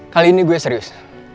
jadi ini gue serius